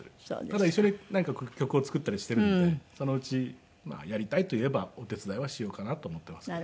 ただ一緒に何曲か曲を作ったりしているのでそのうち「やりたい」と言えばお手伝いはしようかなと思っていますけど。